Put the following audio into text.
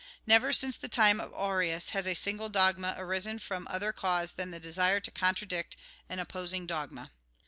Never, since the time of Arius, has a single dogma arisen from other cause than the desire to contradict an opposing dogma.